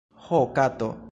Ho kato!